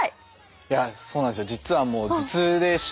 いやそうなんですよ。